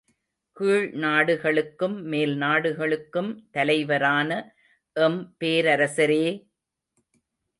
கீழ் நாடுகளுக்கும் மேல்நாடுகளுக்கும் தலைவரான எம் பேரரசரே!